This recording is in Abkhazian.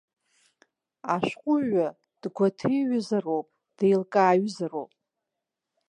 Ашәҟәыҩҩы дгәаҭеиҩызароуп, деилкааҩызароуп.